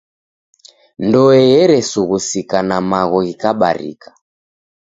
Ndoe eresughusika, na magho ghikabarika.